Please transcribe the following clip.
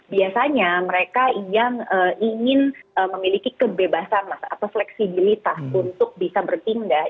biasanya mereka yang ingin memiliki kebebasan atau fleksibilitas untuk bisa bertinggal